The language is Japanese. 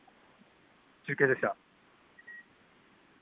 中継でした。